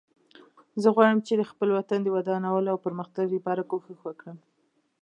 زه غواړم چې د خپل وطن د ودانولو او پرمختګ لپاره کوښښ وکړم